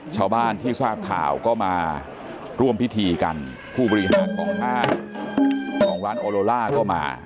ชาวบ้านที่ทราบข่าวก็มาร่วมพิธีกันผู้บริหารของห้างของร้านออโลล่าก็มา